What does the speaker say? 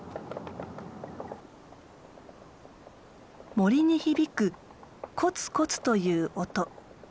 森に響くコツコツという音。